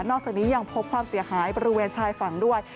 อกจากนี้ยังพบความเสียหายบริเวณชายฝั่งด้วย